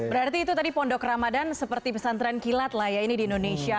berarti itu tadi pondok ramadan seperti pesantren kilat lah ya ini di indonesia